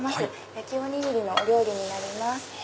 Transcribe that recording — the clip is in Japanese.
焼きおにぎりのお料理になります。